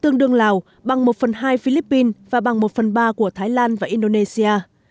tương đương lào bằng một phần hai philippines và bằng một phần ba của thái lan và indonesia